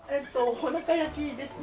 ほの香焼きですね。